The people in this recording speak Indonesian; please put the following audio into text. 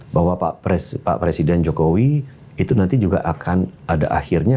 bahwa pak presiden jokowi itu nanti juga akan ada akhirnya